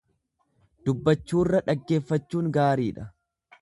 Dubbachuurra dhaggeeffachuun gaariidha.